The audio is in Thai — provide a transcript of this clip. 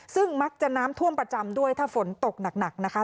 ซึ่งมักจะน้ำท่วมประจำด้วยถ้าฝนตกหนักนะคะ